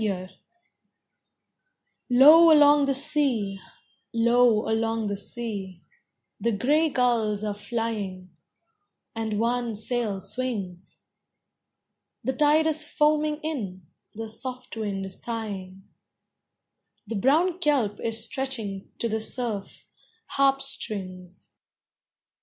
TIDALS Low along the sea, low along the sea, The gray gulls are flying, and one sail swings; The tide is foaming in; the soft wind sighing; The brown kelp is stretching, to the surf, harp strings.